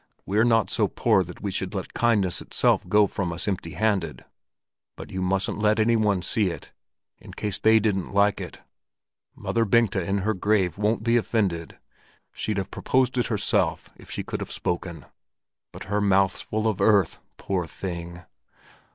We're not so poor that we should let kindness itself go from us empty handed. But you mustn't let any one see it, in case they didn't like it. Mother Bengta in her grave won't be offended; she'd have proposed it herself, if she could have spoken; but her mouth's full of earth, poor thing!"